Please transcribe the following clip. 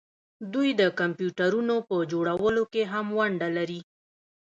دوی د کمپیوټرونو په جوړولو کې هم ونډه لري.